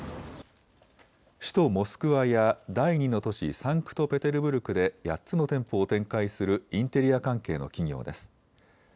首都モスクワや第２の都市サンクトペテルブルクで８つの店舗を展開するインテリア関係の企業です。